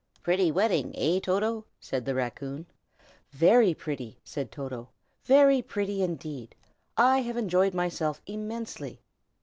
"Pretty wedding, eh, Toto?" said the raccoon. "Very pretty," said Toto; "very pretty indeed. I have enjoyed myself immensely.